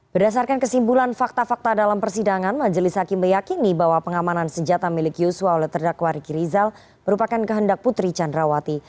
berdasarkan kesimpulan fakta fakta dalam persidangan majelis hakim meyakini bahwa pengamanan senjata milik yusua oleh terdakwa riki rizal merupakan kehendak putri candrawati